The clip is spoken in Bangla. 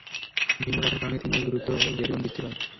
ভিন্ন পথের কারণে তিন মাইল দূরত্ব দেড় গুণ বৃদ্ধি পায়।